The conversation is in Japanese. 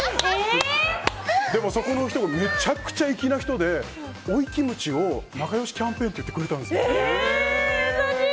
でも、そこの人めちゃくちゃ粋な人でオイキムチを仲良しキャンペーンって言ってくれたんですよ。